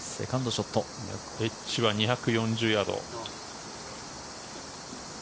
エッジは２４０ヤード。